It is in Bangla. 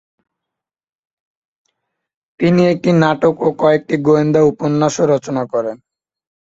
তিনি একটি নাটক ও কয়েকটি গোয়েন্দা উপন্যাসও রচনা করেন।